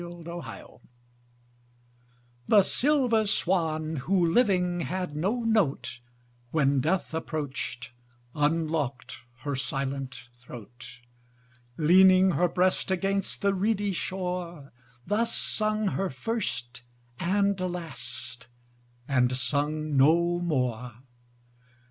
6 Autoplay The silver swan, who living had no note, When death approach'd, unlock'd her silent throat; Leaning her breast against the reedy shore, Thus sung her first and last, and sung no more.